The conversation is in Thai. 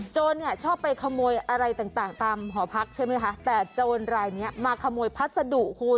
เนี่ยชอบไปขโมยอะไรต่างตามหอพักใช่ไหมคะแต่โจรรายเนี้ยมาขโมยพัสดุคุณ